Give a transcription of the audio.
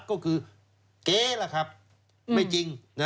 ก็คือเก๊ล่ะครับไม่จริง